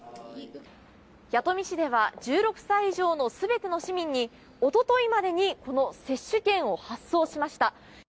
弥富市では１６歳以上の全ての市民に一昨日までに、この接種券を発送しました。